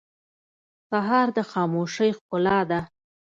سهار د خاموشۍ ښکلا ده.